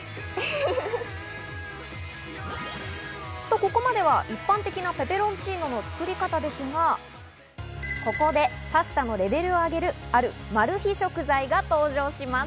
ここまでは一般的なペペロンチーノの作り方ですが、ここでパスタのレベルを上げる、あるマル秘食材が登場します。